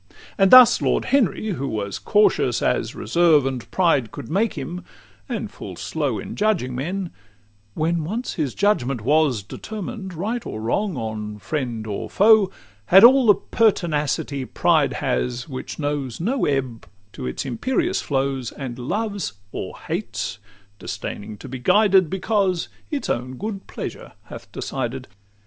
XVI And thus Lord Henry, who was cautious as Reserve and pride could make him, and full slow In judging men when once his judgment was Determined, right or wrong, on friend or foe, Had all the pertinacity pride has, Which knows no ebb to its imperious flow, And loves or hates, disdaining to be guided, Because its own good pleasure hath decided.